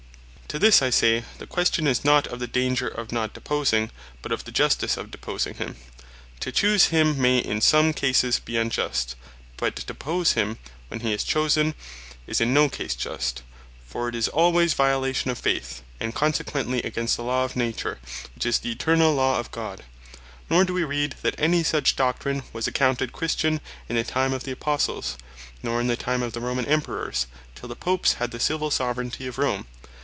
To this I say, the question is not of the danger of not deposing; but of the Justice of deposing him. To choose him, may in some cases bee unjust; but to depose him, when he is chosen, is in no case Just. For it is alwaies violation of faith, and consequently against the Law of Nature, which is the eternal Law of God. Nor doe wee read, that any such Doctrine was accounted Christian in the time of the Apostles; nor in the time of the Romane Emperours, till the Popes had the Civill Soveraignty of Rome.